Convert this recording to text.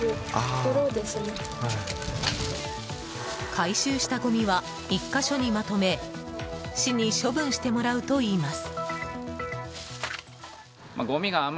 回収したごみは１か所にまとめ市に処分してもらうといいます。